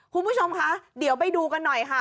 คุณผู้ชมคะเดี๋ยวไปดูกันหน่อยค่ะ